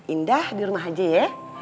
indah di rumah aja ya